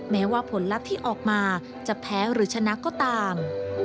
แม้ว่าผลลัพธ์ที่ออกมาจะแพ้หรือชนะก็ตาม